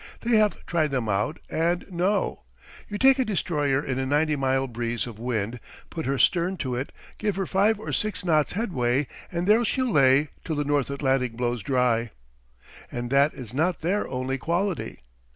They have tried them out and know. You take a destroyer in a ninety mile breeze of wind, put her stern to it, give her five or six knots' headway, and there she'll lay till the North Atlantic blows dry. And that is not their only quality.